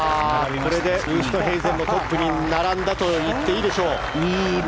これでウーストヘイゼンもトップに並んだといっていいでしょう。